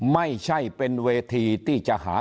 ไม่ใช่เป็นเวทีที่จะหา